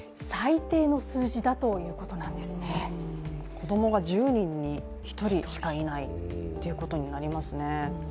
子供が１０人に１人しかいないということになりますね。